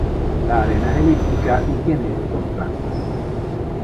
La arena es elíptica y tiene dos plantas.